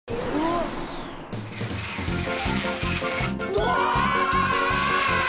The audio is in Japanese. うわ！